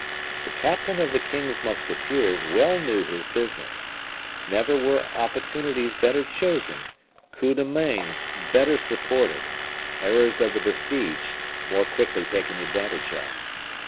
The captain of the king's musketeers well knew his business. Never were opportunities better chosen, coups de main better supported, errors of the besieged more quickly taken advantage of.